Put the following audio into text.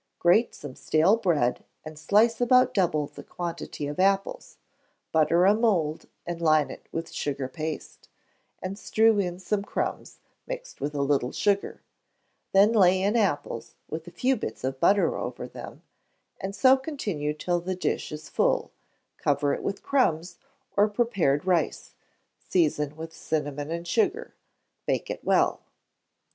Grate some stale bread, and slice about double the quantity of apples; butter a mould, and line it with sugar paste, and strew in some crumbs, mixed with a little sugar; then lay in apples, with a few bits of butter over them, and so continue till the dish is full; cover it with crumbs, or prepared rice; season with cinnamon and sugar. Bake it well.